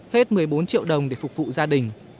hết một mươi bốn triệu đồng để phục vụ gia đình